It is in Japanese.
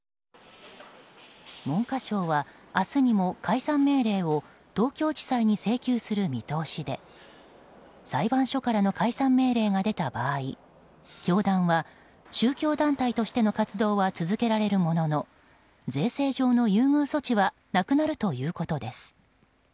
文科省は明日にも解散命令を東京地裁に請求する見通しで裁判所からの解散命令が出た場合教団は宗教団体としての活動は続けられるものの税制上の優遇措置はなくなるということです。